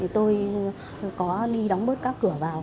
tôi có đi đóng bớt các cửa vào